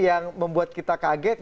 yang membuat kita kaget